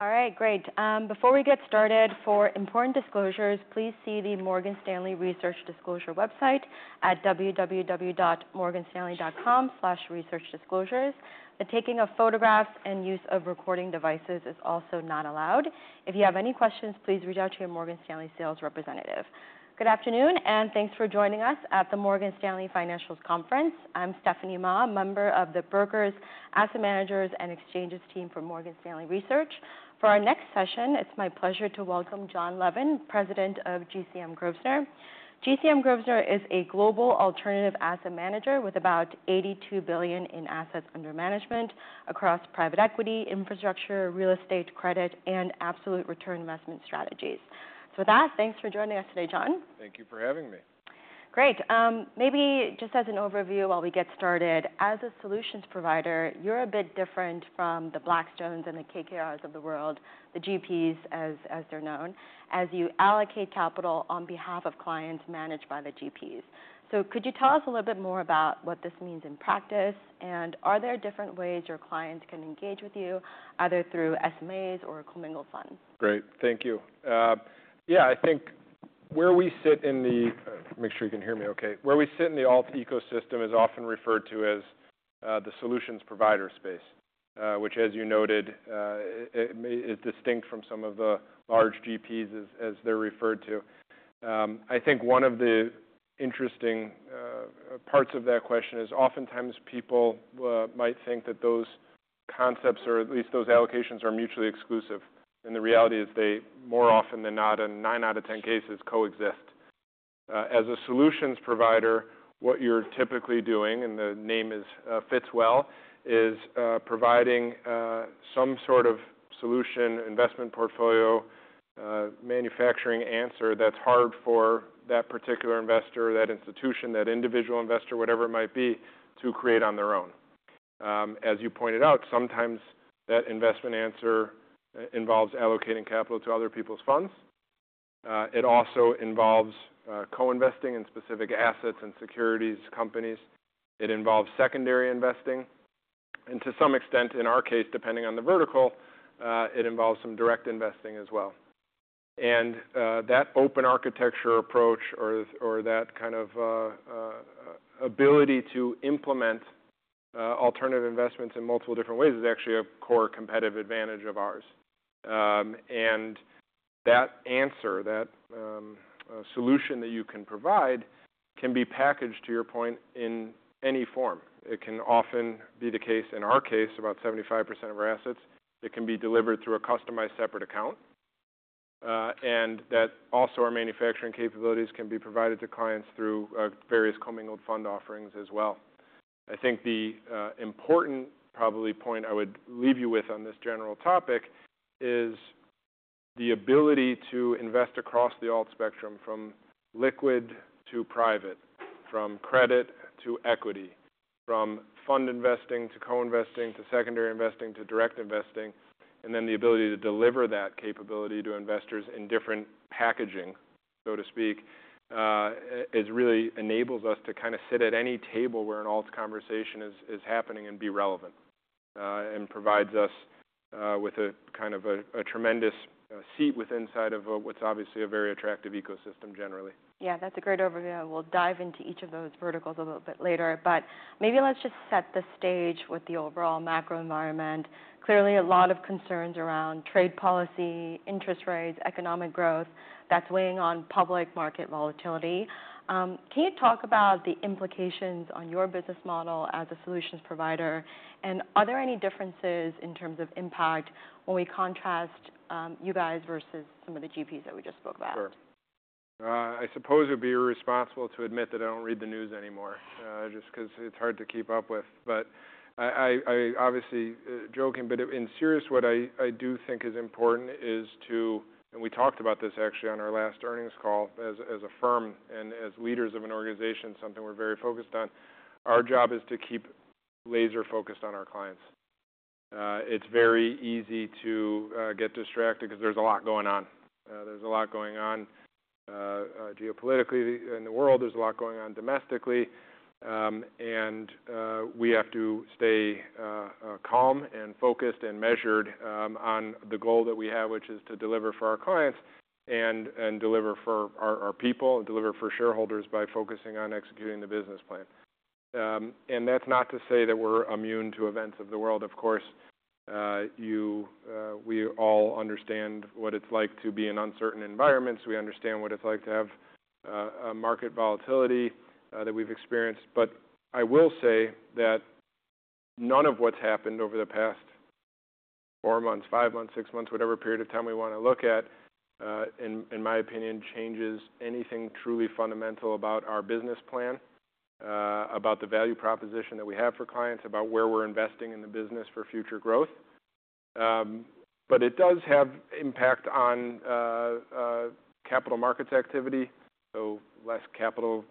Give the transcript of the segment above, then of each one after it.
All right, great. Before we get started, for important disclosures, please see the Morgan Stanley Research Disclosure website at www.morganstanley.com/researchdisclosures. The taking of photographs and use of recording devices is also not allowed. If you have any questions, please reach out to your Morgan Stanley sales representative. Good afternoon, and thanks for joining us at the Morgan Stanley Financials Conference. I'm Stephanie Ma, member of the Brokers, Asset Managers, and Exchanges team for Morgan Stanley Research. For our next session, it's my pleasure to welcome Jon Levin, President of GCM Grosvenor. GCM Grosvenor is a global alternative asset manager with about $82 billion in assets under management across private equity, infrastructure, real estate, credit, and absolute return investment strategies. With that, thanks for joining us today, Jon. Thank you for having me. Great. Maybe just as an overview while we get started, as a solutions provider, you're a bit different from the Blackstones and the KKR of the world, the GPs, as they're known, as you allocate capital on behalf of clients managed by the GPs. Could you tell us a little bit more about what this means in practice, and are there different ways your clients can engage with you, either through SMAs or a commingled fund? Great, thank you. Yeah, I think where we sit in the—make sure you can hear me okay—where we sit in the alt ecosystem is often referred to as the solutions provider space, which, as you noted, is distinct from some of the large GPs, as they're referred to. I think one of the interesting parts of that question is oftentimes people might think that those concepts, or at least those allocations, are mutually exclusive. The reality is they, more often than not, in 9 out of 10 cases, coexist. As a solutions provider, what you're typically doing, and the name fits well, is providing some sort of solution, investment portfolio, manufacturing answer that's hard for that particular investor, that institution, that individual investor, whatever it might be, to create on their own. As you pointed out, sometimes that investment answer involves allocating capital to other people's funds. It also involves co-investing in specific assets and securities companies. It involves secondary investing. To some extent, in our case, depending on the vertical, it involves some direct investing as well. That open architecture approach, or that kind of ability to implement alternative investments in multiple different ways, is actually a core competitive advantage of ours. That answer, that solution that you can provide, can be packaged, to your point, in any form. It can often be the case, in our case, about 75% of our assets. It can be delivered through a customized separate account. That also our manufacturing capabilities can be provided to clients through various commingled fund offerings as well. I think the important, probably, point I would leave you with on this general topic is the ability to invest across the alt spectrum, from liquid to private, from credit to equity, from fund investing to co-investing to secondary investing to direct investing. The ability to deliver that capability to investors in different packaging, so to speak, really enables us to kind of sit at any table where an alt conversation is happening and be relevant, and provides us with a kind of a tremendous seat inside of what's obviously a very attractive ecosystem generally. Yeah, that's a great overview. We'll dive into each of those verticals a little bit later. Maybe let's just set the stage with the overall macro environment. Clearly, a lot of concerns around trade policy, interest rates, economic growth, that's weighing on public market volatility. Can you talk about the implications on your business model as a solutions provider, and are there any differences in terms of impact when we contrast you guys versus some of the GPs that we just spoke about? Sure. I suppose it would be irresponsible to admit that I do not read the news anymore, just because it is hard to keep up with. I am obviously joking, but in serious, what I do think is important is to—and we talked about this actually on our last earnings call—as a firm and as leaders of an organization, something we are very focused on, our job is to keep laser-focused on our clients. It is very easy to get distracted because there is a lot going on. There is a lot going on geopolitically in the world. There is a lot going on domestically. We have to stay calm and focused and measured on the goal that we have, which is to deliver for our clients and deliver for our people and deliver for shareholders by focusing on executing the business plan. That is not to say that we are immune to events of the world. Of course, we all understand what it's like to be in uncertain environments. We understand what it's like to have market volatility that we've experienced. I will say that none of what's happened over the past 4 months, 5 months, 6 months, whatever period of time we want to look at, in my opinion, changes anything truly fundamental about our business plan, about the value proposition that we have for clients, about where we're investing in the business for future growth. It does have impact on capital markets activity. Less capital,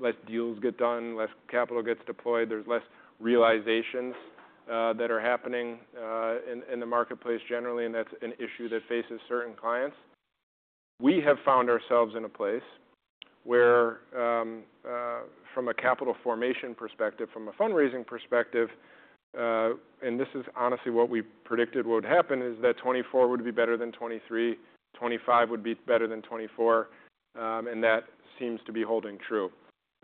less deals get done, less capital gets deployed. There's less realizations that are happening in the marketplace generally, and that's an issue that faces certain clients. We have found ourselves in a place where, from a capital formation perspective, from a fundraising perspective, and this is honestly what we predicted would happen, is that 2024 would be better than 2023, 2025 would be better than 2024, and that seems to be holding true.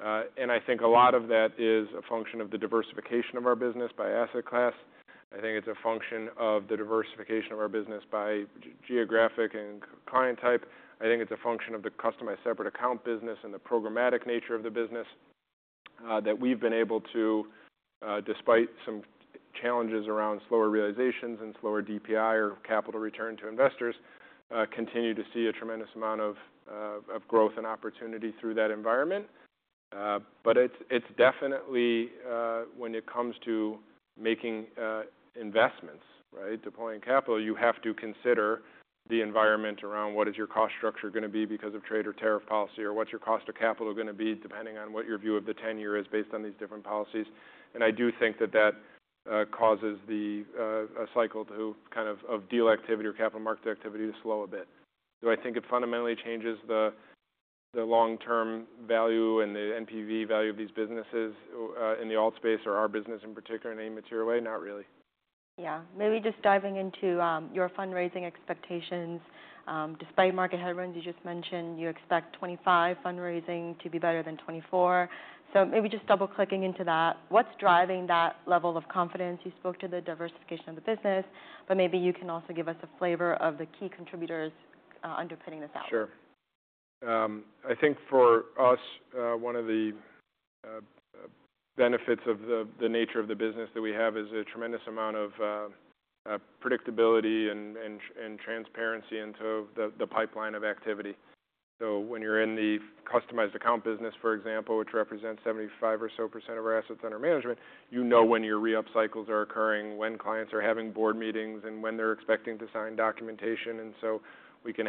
I think a lot of that is a function of the diversification of our business by asset class. I think it's a function of the diversification of our business by geographic and client type. I think it's a function of the customized separate account business and the programmatic nature of the business that we've been able to, despite some challenges around slower realizations and slower DPI or capital return to investors, continue to see a tremendous amount of growth and opportunity through that environment. It is definitely, when it comes to making investments, right, deploying capital, you have to consider the environment around what is your cost structure going to be because of trade or tariff policy, or what is your cost of capital going to be, depending on what your view of the tenure is based on these different policies. I do think that causes the cycle kind of of deal activity or capital market activity to slow a bit. Do I think it fundamentally changes the long-term value and the NPV value of these businesses in the alt space, or our business in particular, in any material way? Not really. Yeah. Maybe just diving into your fundraising expectations. Despite market headwinds you just mentioned, you expect 2025 fundraising to be better than 2024. Maybe just double-clicking into that, what's driving that level of confidence? You spoke to the diversification of the business, but maybe you can also give us a flavor of the key contributors underpinning this out. Sure. I think for us, one of the benefits of the nature of the business that we have is a tremendous amount of predictability and transparency into the pipeline of activity. When you're in the customized account business, for example, which represents 75% or so of our assets under management, you know when your re-up cycles are occurring, when clients are having board meetings, and when they're expecting to sign documentation. We can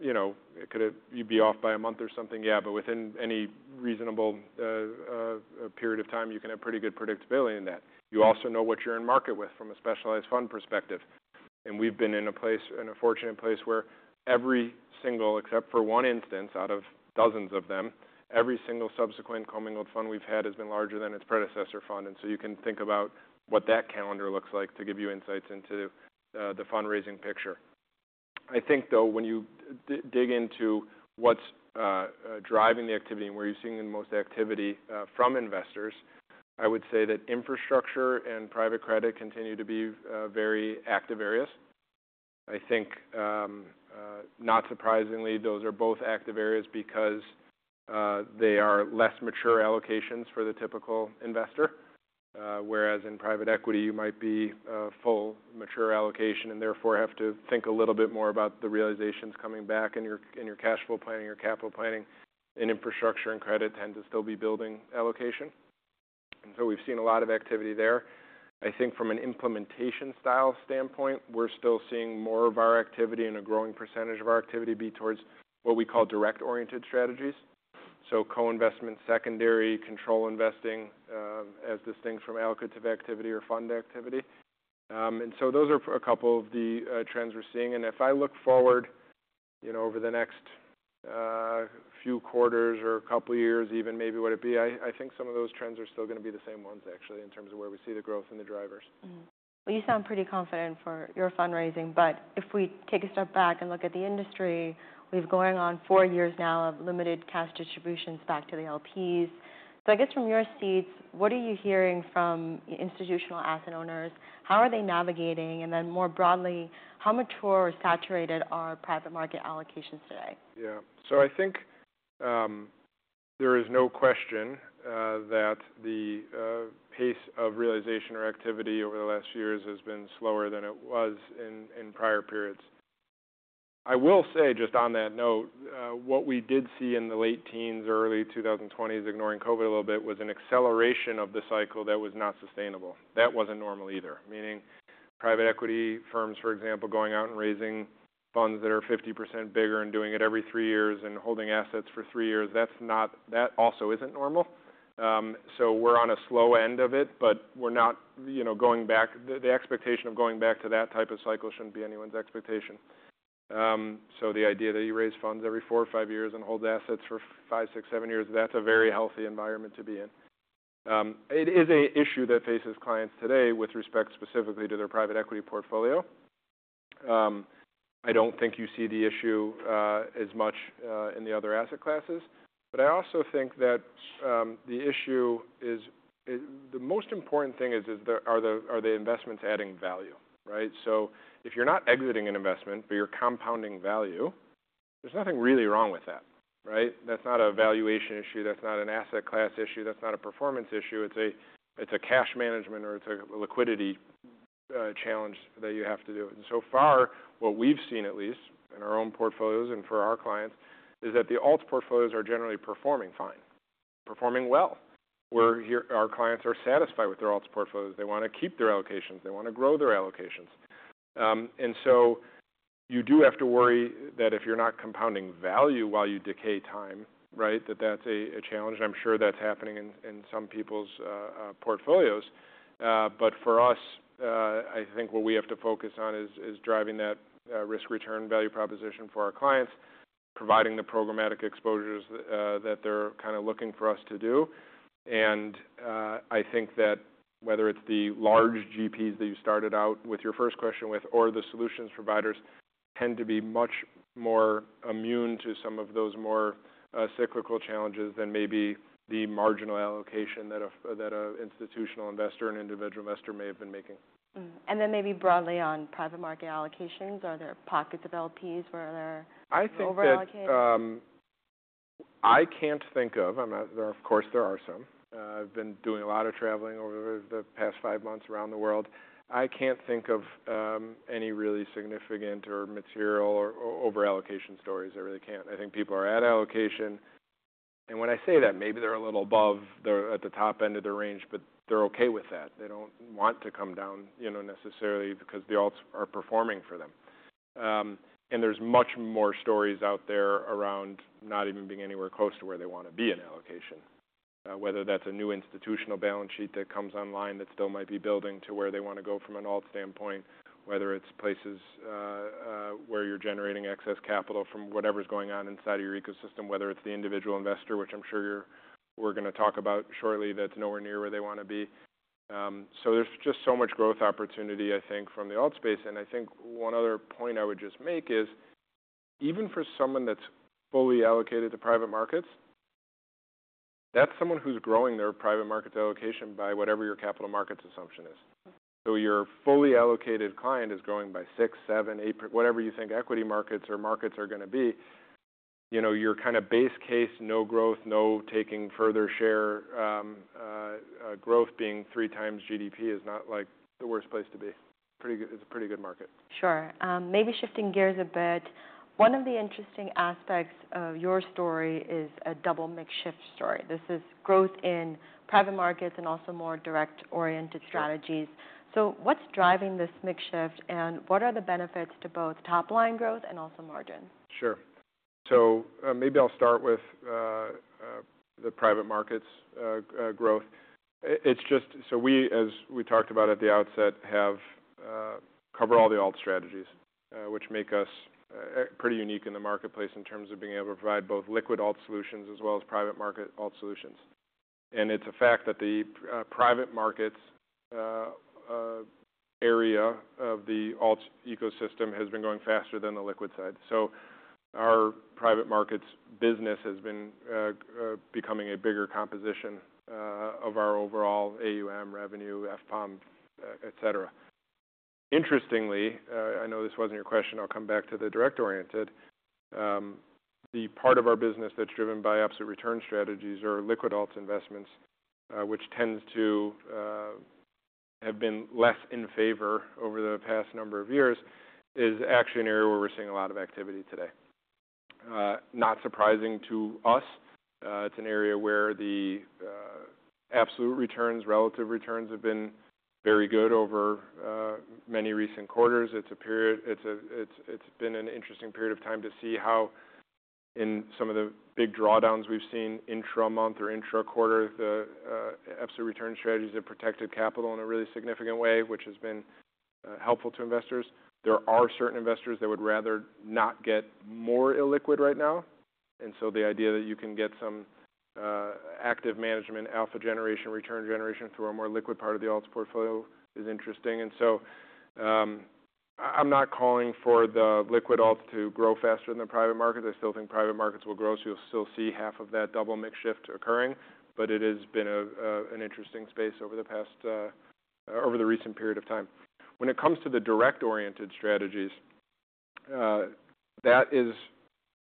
have—could it be off by a month or something? Yeah, but within any reasonable period of time, you can have pretty good predictability in that. You also know what you're in market with from a specialized fund perspective. We have been in a fortunate place where every single, except for one instance out of dozens of them, every single subsequent commingled fund we have had has been larger than its predecessor fund. You can think about what that calendar looks like to give you insights into the fundraising picture. I think, though, when you dig into what is driving the activity and where you are seeing the most activity from investors, I would say that infrastructure and private credit continue to be very active areas. I think, not surprisingly, those are both active areas because they are less mature allocations for the typical investor, whereas in private equity, you might be full mature allocation and therefore have to think a little bit more about the realizations coming back in your cash flow planning, your capital planning, and infrastructure and credit tend to still be building allocation. We have seen a lot of activity there. I think from an implementation style standpoint, we are still seeing more of our activity and a growing percentage of our activity be towards what we call direct-oriented strategies. Co-investment, secondary, control investing, as distinct from allocative activity or fund activity. Those are a couple of the trends we are seeing. If I look forward over the next few quarters or a couple of years, even maybe what it will be, I think some of those trends are still going to be the same ones, actually, in terms of where we see the growth and the drivers. You sound pretty confident for your fundraising, but if we take a step back and look at the industry, we've gone on four years now of limited cash distributions back to the LPs. I guess from your seats, what are you hearing from institutional asset owners? How are they navigating? And then more broadly, how mature or saturated are private market allocations today? Yeah. So I think there is no question that the pace of realization or activity over the last few years has been slower than it was in prior periods. I will say, just on that note, what we did see in the late teens, early 2020s, ignoring COVID a little bit, was an acceleration of the cycle that was not sustainable. That was not normal either, meaning private equity firms, for example, going out and raising funds that are 50% bigger and doing it every 3 years and holding assets for three years. That also is not normal. We are on a slow end of it, but we are not going back. The expectation of going back to that type of cycle should not be anyone's expectation. The idea that you raise funds every 4 or 5 years and hold assets for 5, 6, 7 years, that's a very healthy environment to be in. It is an issue that faces clients today with respect specifically to their private equity portfolio. I don't think you see the issue as much in the other asset classes. I also think that the issue is the most important thing is, are the investments adding value, right? If you're not exiting an investment, but you're compounding value, there's nothing really wrong with that, right? That's not a valuation issue. That's not an asset class issue. That's not a performance issue. It's a cash management or it's a liquidity challenge that you have to do. What we've seen, at least in our own portfolios and for our clients, is that the alt portfolios are generally performing fine, performing well. Our clients are satisfied with their alt portfolios. They want to keep their allocations. They want to grow their allocations. You do have to worry that if you're not compounding value while you decay time, right, that that's a challenge. I'm sure that's happening in some people's portfolios. For us, I think what we have to focus on is driving that risk-return value proposition for our clients, providing the programmatic exposures that they're kind of looking for us to do. I think that whether it's the large GPs that you started out with your first question with, or the solutions providers, tend to be much more immune to some of those more cyclical challenges than maybe the marginal allocation that an institutional investor and individual investor may have been making. Maybe broadly on private market allocations, are there pockets of LPs where they're overallocating? I think that I can't think of—of course, there are some. I've been doing a lot of traveling over the past five months around the world. I can't think of any really significant or material overallocation stories. I really can't. I think people are at allocation. And when I say that, maybe they're a little above, they're at the top end of their range, but they're okay with that. They don't want to come down necessarily because the alts are performing for them. There is much more stories out there around not even being anywhere close to where they want to be in allocation, whether that is a new institutional balance sheet that comes online that still might be building to where they want to go from an alt standpoint, whether it is places where you are generating excess capital from whatever is going on inside of your ecosystem, whether it is the individual investor, which I am sure we are going to talk about shortly, that is nowhere near where they want to be. There is just so much growth opportunity, I think, from the alt space. I think one other point I would just make is, even for someone that is fully allocated to private markets, that is someone who is growing their private market allocation by whatever your capital markets assumption is. Your fully allocated client is growing by six, seven, eight, whatever you think equity markets or markets are going to be. Your kind of base case, no growth, no taking further share growth being 3 times GDP is not like the worst place to be. It is a pretty good market. Sure. Maybe shifting gears a bit, one of the interesting aspects of your story is a double mix shift story. This is growth in private markets and also more direct-oriented strategies. What is driving this mix shift, and what are the benefits to both top-line growth and also margin? Sure. Maybe I'll start with the private markets growth. It's just, so we, as we talked about at the outset, have covered all the alt strategies, which make us pretty unique in the marketplace in terms of being able to provide both liquid alt solutions as well as private market alt solutions. It's a fact that the private markets area of the alt ecosystem has been going faster than the liquid side. Our private markets business has been becoming a bigger composition of our overall AUM, revenue, FPOM, etc. Interestingly, I know this wasn't your question. I'll come back to the direct-oriented. The part of our business that's driven by absolute return strategies or liquid alt investments, which tends to have been less in favor over the past number of years, is actually an area where we're seeing a lot of activity today. Not surprising to us. It's an area where the absolute returns, relative returns have been very good over many recent quarters. It's been an interesting period of time to see how, in some of the big drawdowns we've seen intra-month or intra-quarter, the absolute return strategies have protected capital in a really significant way, which has been helpful to investors. There are certain investors that would rather not get more illiquid right now. The idea that you can get some active management, alpha generation, return generation through a more liquid part of the alt portfolio is interesting. I'm not calling for the liquid alt to grow faster than the private markets. I still think private markets will grow, so you'll still see half of that double mix shift occurring. It has been an interesting space over the recent period of time. When it comes to the direct-oriented strategies, that is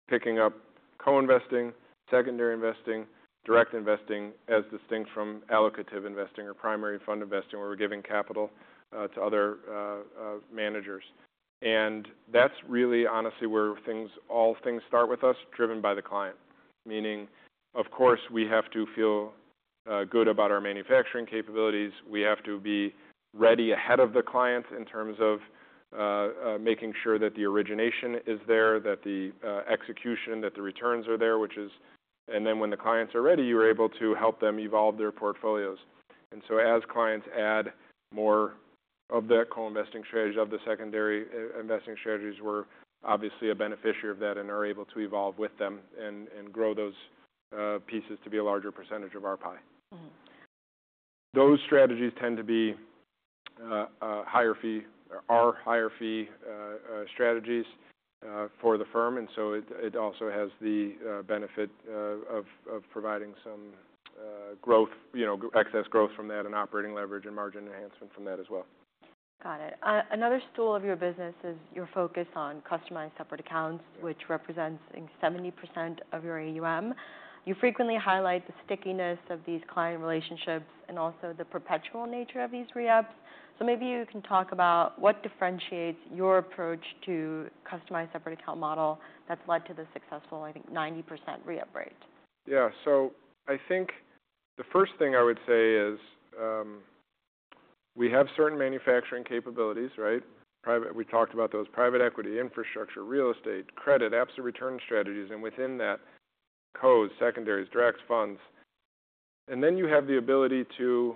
picking up co-investing, secondary investing, direct investing as distinct from allocative investing or primary fund investing, where we are giving capital to other managers. That is really, honestly, where all things start with us, driven by the client. Meaning, of course, we have to feel good about our manufacturing capabilities. We have to be ready ahead of the clients in terms of making sure that the origination is there, that the execution, that the returns are there, which is. When the clients are ready, you are able to help them evolve their portfolios. As clients add more of that co-investing strategy, of the secondary investing strategies, we are obviously a beneficiary of that and are able to evolve with them and grow those pieces to be a larger percentage of our pie. Those strategies tend to be higher fee, our higher fee strategies for the firm. It also has the benefit of providing some growth, excess growth from that and operating leverage and margin enhancement from that as well. Got it. Another stool of your business is your focus on customized separate accounts, which represents 70% of your AUM. You frequently highlight the stickiness of these client relationships and also the perpetual nature of these re-ups. Maybe you can talk about what differentiates your approach to customized separate account model that's led to the successful, I think, 90% re-up rate. Yeah. I think the first thing I would say is we have certain manufacturing capabilities, right? We talked about those: private equity, infrastructure, real estate, credit, absolute return strategies, and within that, co-investing, secondaries, direct funds. You have the ability to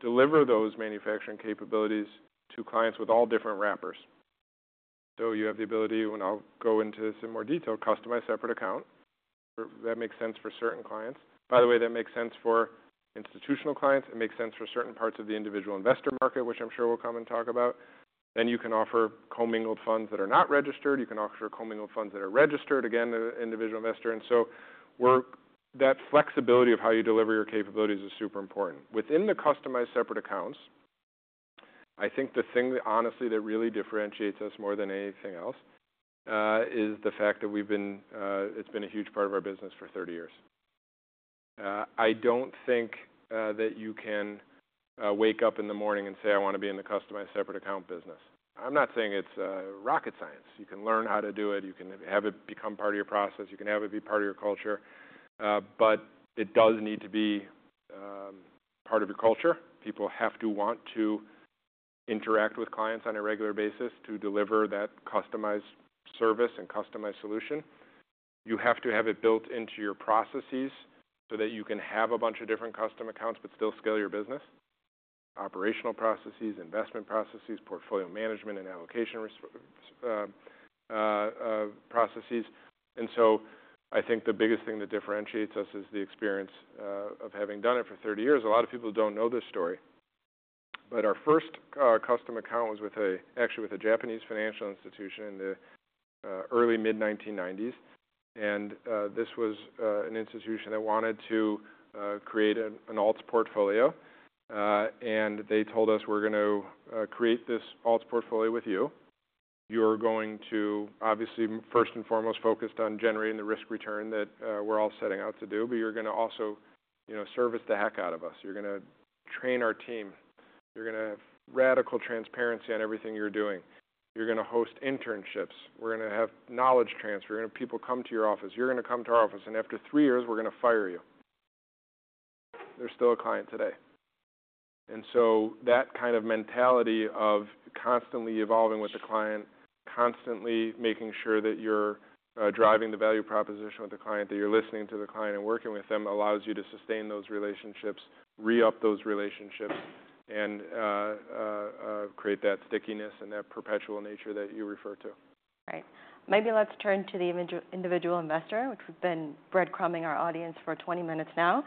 deliver those manufacturing capabilities to clients with all different wrappers. You have the ability, and I will go into this in more detail, customized separate account that makes sense for certain clients. By the way, that makes sense for institutional clients. It makes sense for certain parts of the individual investor market, which I am sure we will come and talk about. You can offer commingled funds that are not registered. You can offer commingled funds that are registered, again, an individual investor. That flexibility of how you deliver your capabilities is super important. Within the customized separate accounts, I think the thing that honestly really differentiates us more than anything else is the fact that it's been a huge part of our business for 30 years. I don't think that you can wake up in the morning and say, "I want to be in the customized separate account business." I'm not saying it's rocket science. You can learn how to do it. You can have it become part of your process. You can have it be part of your culture. It does need to be part of your culture. People have to want to interact with clients on a regular basis to deliver that customized service and customized solution. You have to have it built into your processes so that you can have a bunch of different custom accounts but still scale your business: operational processes, investment processes, portfolio management, and allocation processes. I think the biggest thing that differentiates us is the experience of having done it for 30 years. A lot of people do not know this story. Our first custom account was actually with a Japanese financial institution in the early, mid-1990s. This was an institution that wanted to create an alt portfolio. They told us, "We are going to create this alt portfolio with you. You are going to, obviously, first and foremost, focus on generating the risk return that we are all setting out to do, but you are going to also service the heck out of us. You are going to train our team. You are going to have radical transparency on everything you are doing. You're going to host internships. We're going to have knowledge transfer. People come to your office. You're going to come to our office. After 3 years, we're going to fire you." They're still a client today. That kind of mentality of constantly evolving with the client, constantly making sure that you're driving the value proposition with the client, that you're listening to the client and working with them, allows you to sustain those relationships, re-up those relationships, and create that stickiness and that perpetual nature that you refer to. Right. Maybe let's turn to the individual investor, which we've been breadcrumbing our audience for 20 minutes now.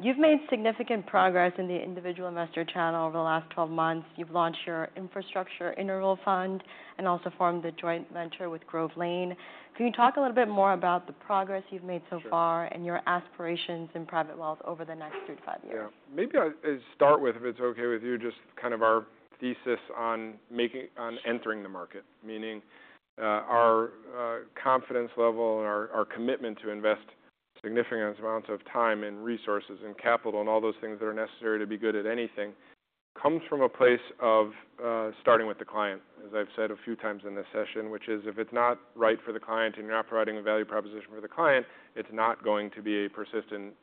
You've made significant progress in the individual investor channel over the last 12 months. You've launched your Infrastructure Interval Fund and also formed the joint venture with Grove Lane. Can you talk a little bit more about the progress you've made so far and your aspirations in private wealth over the next 3 to 5 years? Yeah. Maybe I'll start with, if it's okay with you, just kind of our thesis on entering the market, meaning our confidence level and our commitment to invest significant amounts of time and resources and capital and all those things that are necessary to be good at anything comes from a place of starting with the client, as I've said a few times in this session, which is if it's not right for the client and you're not providing a value proposition for the client, it's not going to be a persistent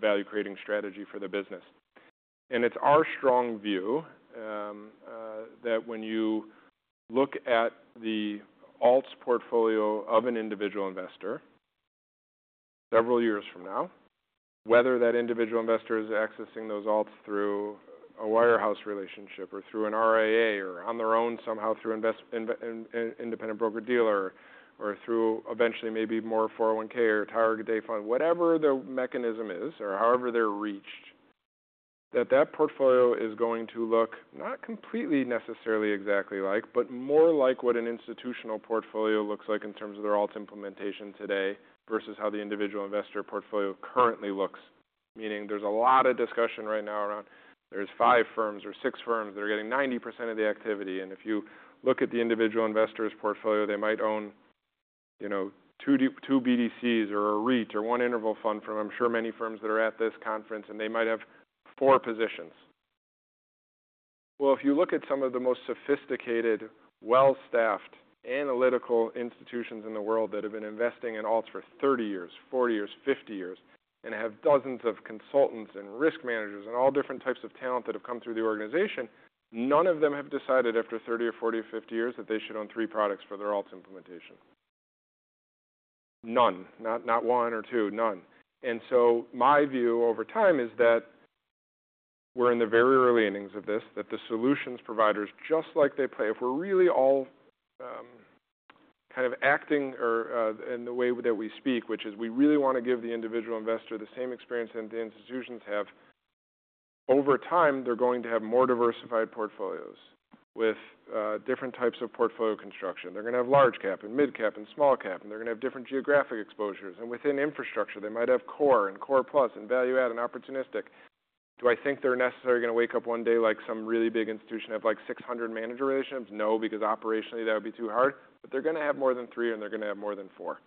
value-creating strategy for the business. It is our strong view that when you look at the alt portfolio of an individual investor several years from now, whether that individual investor is accessing those alts through a wire house relationship or through an RIA or on their own somehow through an independent broker-dealer or through eventually maybe more 401(k) or a target date fund, whatever the mechanism is or however they are reached, that that portfolio is going to look not completely necessarily exactly like, but more like what an institutional portfolio looks like in terms of their alt implementation today versus how the individual investor portfolio currently looks. Meaning there is a lot of discussion right now around there are five firms or six firms that are getting 90% of the activity. If you look at the individual investor's portfolio, they might own 2 BDCs or a REIT or one interval fund from, I'm sure, many firms that are at this conference, and they might have four positions. If you look at some of the most sophisticated, well-staffed, analytical institutions in the world that have been investing in alts for 30 years, 40 years, 50 years, and have dozens of consultants and risk managers and all different types of talent that have come through the organization, none of them have decided after 30 or 40 or 50 years that they should own three products for their alt implementation. None. Not 1 or 2. None. My view over time is that we're in the very early innings of this, that the solutions providers, just like they play, if we're really all kind of acting in the way that we speak, which is we really want to give the individual investor the same experience that the institutions have, over time, they're going to have more diversified portfolios with different types of portfolio construction. They're going to have large cap and mid-cap and small cap, and they're going to have different geographic exposures. Within infrastructure, they might have core and core plus and value-add and opportunistic. Do I think they're necessarily going to wake up one day like some really big institution that have like 600 manager relationships? No, because operationally that would be too hard. They're going to have more than three, and they're going to have more than four.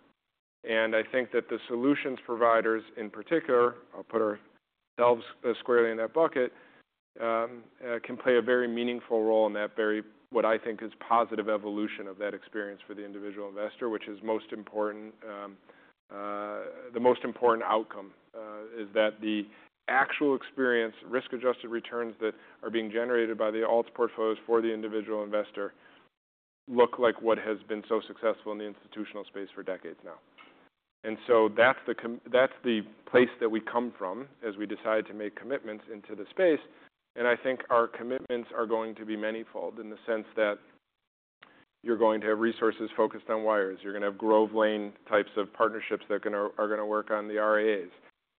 I think that the solutions providers, in particular, I'll put ourselves squarely in that bucket, can play a very meaningful role in that very, what I think is positive evolution of that experience for the individual investor, which is most important. The most important outcome is that the actual experience, risk-adjusted returns that are being generated by the alt portfolios for the individual investor look like what has been so successful in the institutional space for decades now. That is the place that we come from as we decide to make commitments into the space. I think our commitments are going to be manifold in the sense that you're going to have resources focused on wires. You're going to have Grove Lane types of partnerships that are going to work on the RIAs.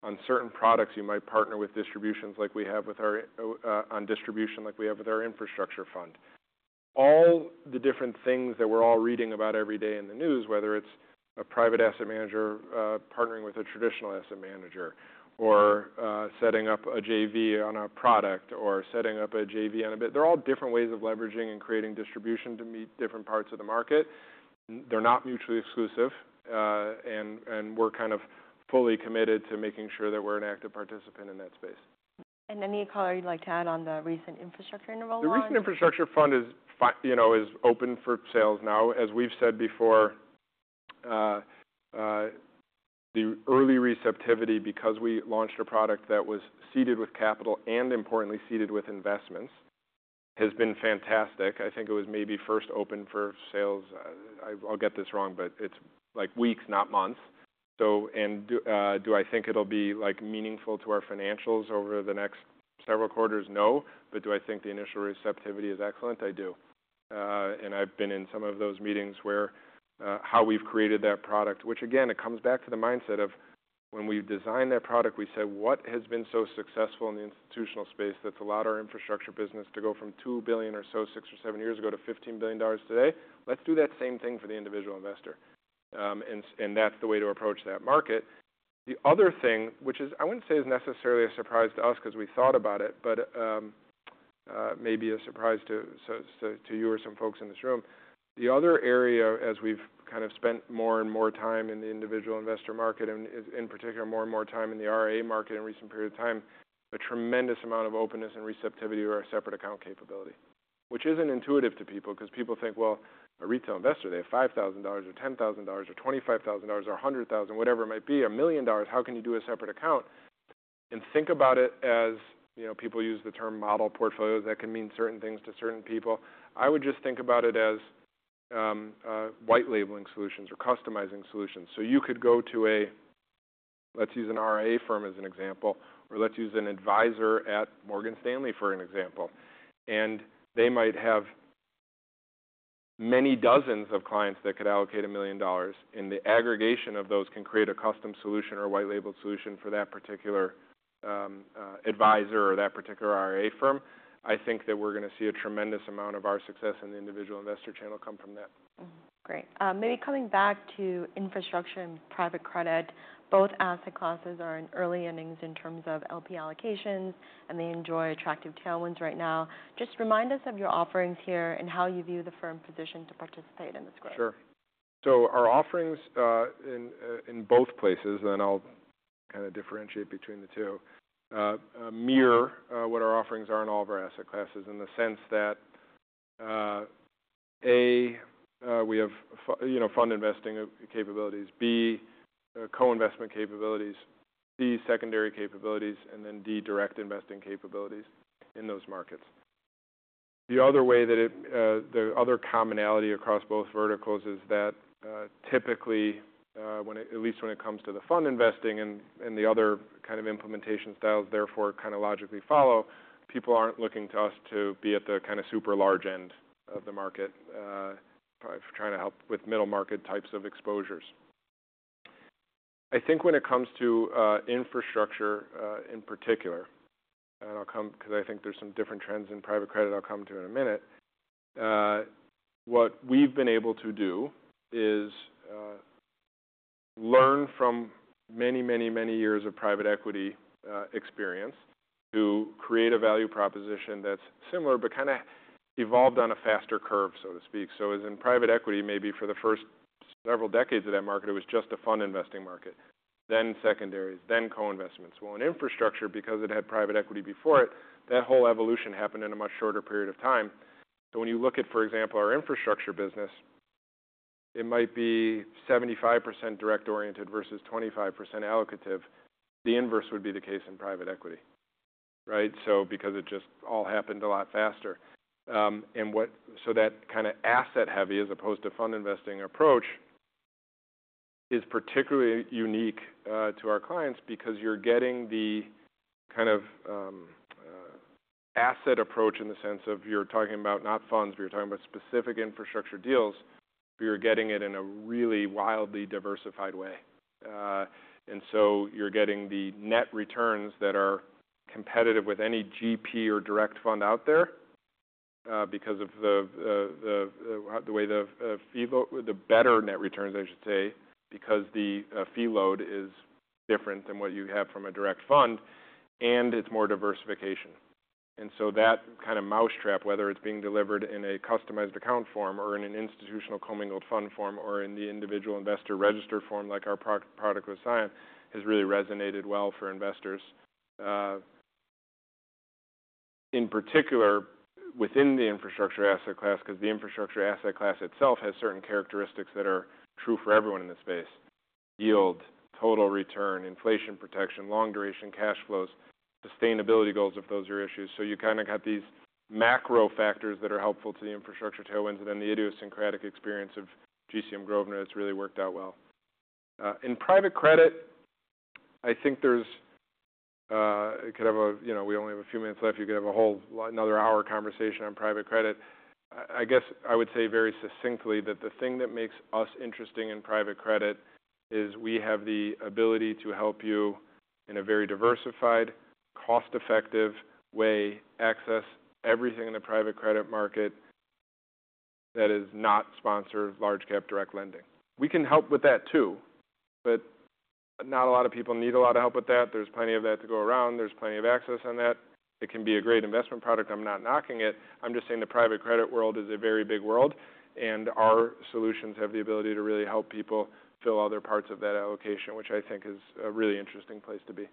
On certain products, you might partner with distributions like we have with our infrastructure fund. All the different things that we're all reading about every day in the news, whether it's a private asset manager partnering with a traditional asset manager or setting up a JV on a product or setting up a JV on a bit, they're all different ways of leveraging and creating distribution to meet different parts of the market. They're not mutually exclusive. We're kind of fully committed to making sure that we're an active participant in that space. Any color you'd like to add on the recent Infrastructure Interval Fund? The recent infrastructure fund is open for sales now. As we've said before, the early receptivity because we launched a product that was seeded with capital and, importantly, seeded with investments has been fantastic. I think it was maybe first open for sales. I'll get this wrong, but it's like weeks, not months. Do I think it'll be meaningful to our financials over the next several quarters? No. Do I think the initial receptivity is excellent? I do. I've been in some of those meetings where how we've created that product, which again, it comes back to the mindset of when we've designed that product, we said, "What has been so successful in the institutional space that's allowed our infrastructure business to go from $2 billion or so 6 or 7 years ago to $15 billion today? Let's do that same thing for the individual investor. That is the way to approach that market. The other thing, which I would not say is necessarily a surprise to us because we thought about it, but maybe a surprise to you or some folks in this room, the other area, as we have kind of spent more and more time in the individual investor market and in particular more and more time in the RIA market in recent period of time, a tremendous amount of openness and receptivity to our separate account capability, which is not intuitive to people because people think, "Well, a retail investor, they have $5,000 or $10,000 or $25,000 or $100,000, whatever it might be, a million dollars. How can you do a separate account?" Think about it as people use the term model portfolios. That can mean certain things to certain people. I would just think about it as white labeling solutions or customizing solutions. You could go to a, let's use an RIA firm as an example, or let's use an advisor at Morgan Stanley for an example. They might have many dozens of clients that could allocate $1 million. The aggregation of those can create a custom solution or white label solution for that particular advisor or that particular RIA firm. I think that we're going to see a tremendous amount of our success in the individual investor channel come from that. Great. Maybe coming back to infrastructure and private credit, both asset classes are in early innings in terms of LP allocations, and they enjoy attractive tailwinds right now. Just remind us of your offerings here and how you view the firm position to participate in this grant. Sure. Our offerings in both places, and I'll kind of differentiate between the two, mirror what our offerings are in all of our asset classes in the sense that, A, we have fund investing capabilities, B, co-investment capabilities, C, secondary capabilities, and then D, direct investing capabilities in those markets. The other way that the other commonality across both verticals is that typically, at least when it comes to the fund investing and the other kind of implementation styles, therefore kind of logically follow, people aren't looking to us to be at the kind of super large end of the market, trying to help with middle market types of exposures. I think when it comes to infrastructure in particular, and I'll come because I think there's some different trends in private credit I'll come to in a minute, what we've been able to do is learn from many, many, many years of private equity experience to create a value proposition that's similar but kind of evolved on a faster curve, so to speak. As in private equity, maybe for the first several decades of that market, it was just a fund investing market, then secondaries, then co-investments. In infrastructure, because it had private equity before it, that whole evolution happened in a much shorter period of time. When you look at, for example, our infrastructure business, it might be 75% direct-oriented versus 25% allocative. The inverse would be the case in private equity, right? It just all happened a lot faster. That kind of asset-heavy as opposed to fund investing approach is particularly unique to our clients because you're getting the kind of asset approach in the sense of you're talking about not funds, but you're talking about specific infrastructure deals, but you're getting it in a really wildly diversified way. You're getting the net returns that are competitive with any GP or direct fund out there because of the way the better net returns, I should say, because the fee load is different than what you have from a direct fund, and it's more diversification. That kind of mousetrap, whether it's being delivered in a customized account form or in an institutional commingled fund form or in the individual investor registered form like our product with Scion, has really resonated well for investors. In particular, within the infrastructure asset class, because the infrastructure asset class itself has certain characteristics that are true for everyone in this space: yield, total return, inflation protection, long-duration cash flows, sustainability goals if those are issued. You kind of got these macro factors that are helpful to the infrastructure tailwinds, and then the idiosyncratic experience of GCM Grosvenor that has really worked out well. In private credit, I think there's kind of a, we only have a few minutes left. You could have a whole another hour conversation on private credit. I guess I would say very succinctly that the thing that makes us interesting in private credit is we have the ability to help you in a very diversified, cost-effective way access everything in the private credit market that is not sponsored large-cap direct lending. We can help with that too, but not a lot of people need a lot of help with that. There is plenty of that to go around. There is plenty of access on that. It can be a great investment product. I am not knocking it. I am just saying the private credit world is a very big world, and our solutions have the ability to really help people fill other parts of that allocation, which I think is a really interesting place to be.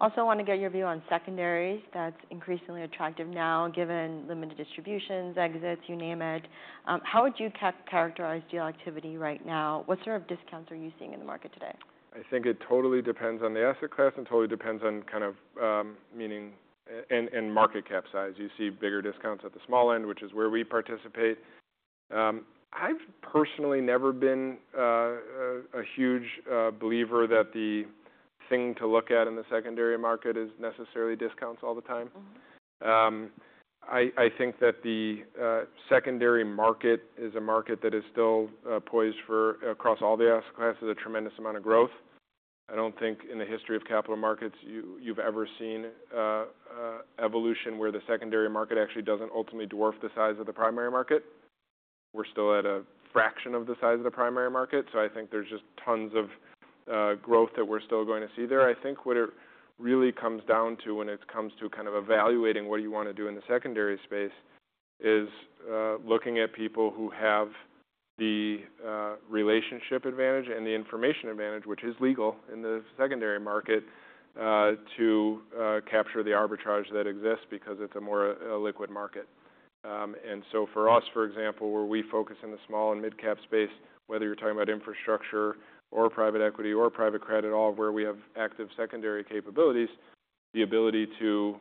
Also, I want to get your view on secondaries. That's increasingly attractive now given limited distributions, exits, you name it. How would you characterize deal activity right now? What sort of discounts are you seeing in the market today? I think it totally depends on the asset class and totally depends on kind of meaning and market cap size. You see bigger discounts at the small end, which is where we participate. I've personally never been a huge believer that the thing to look at in the secondary market is necessarily discounts all the time. I think that the secondary market is a market that is still poised for, across all the asset classes, a tremendous amount of growth. I don't think in the history of capital markets you've ever seen evolution where the secondary market actually doesn't ultimately dwarf the size of the primary market. We're still at a fraction of the size of the primary market. I think there's just tons of growth that we're still going to see there. I think what it really comes down to when it comes to kind of evaluating what you want to do in the secondary space is looking at people who have the relationship advantage and the information advantage, which is legal in the secondary market, to capture the arbitrage that exists because it is a more liquid market. For us, for example, where we focus in the small and mid-cap space, whether you are talking about infrastructure or private equity or private credit at all, where we have active secondary capabilities, the ability to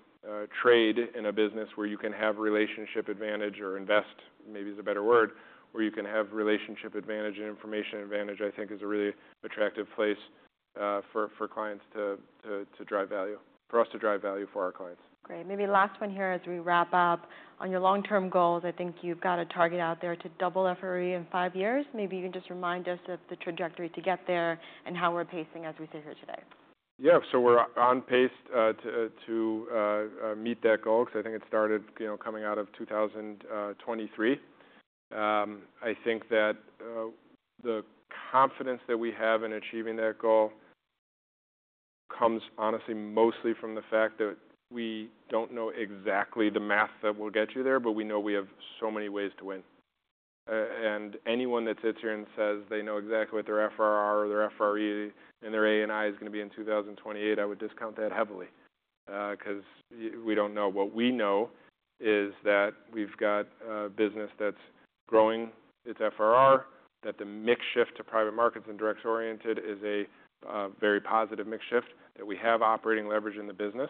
trade in a business where you can have relationship advantage or invest, maybe is a better word, where you can have relationship advantage and information advantage, I think is a really attractive place for clients to drive value, for us to drive value for our clients. Great. Maybe last one here as we wrap up. On your long-term goals, I think you've got a target out there to double FRE in 5 years. Maybe you can just remind us of the trajectory to get there and how we're pacing as we sit here today. Yeah. We are on pace to meet that goal because I think it started coming out of 2023. I think that the confidence that we have in achieving that goal comes honestly mostly from the fact that we do not know exactly the math that will get you there, but we know we have so many ways to win. Anyone that sits here and says they know exactly what their FRE and their AUM and their ANI is going to be in 2028, I would discount that heavily because we do not know. What we know is that we've got a business that's growing its FRE, that the mix shift to private markets and direct-oriented is a very positive mix shift, that we have operating leverage in the business,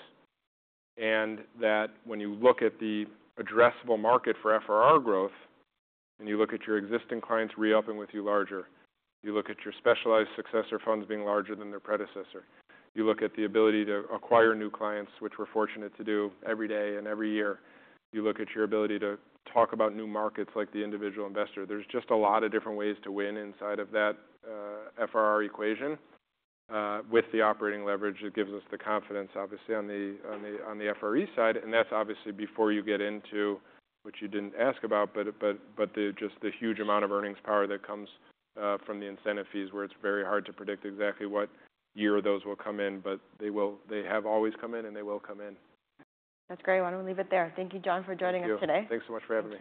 and that when you look at the addressable market for FRE growth and you look at your existing clients reopening with you larger, you look at your specialized successor funds being larger than their predecessor, you look at the ability to acquire new clients, which we're fortunate to do every day and every year, you look at your ability to talk about new markets like the individual investor. There's just a lot of different ways to win inside of that FRE equation with the operating leverage that gives us the confidence, obviously, on the FRE side. That is obviously before you get into what you did not ask about, but just the huge amount of earnings power that comes from the incentive fees where it is very hard to predict exactly what year those will come in, but they have always come in and they will come in. That's great. Why don't we leave it there? Thank you, Jon, for joining us today. Thanks so much for having me.